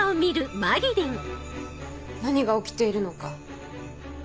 何が起きているのか